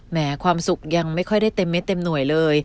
ความสุขยังไม่ค่อยได้เต็มเม็ดเต็มหน่วยเลย